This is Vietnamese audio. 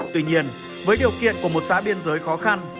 tuy nhiên với điều kiện của một xã biên giới khó khăn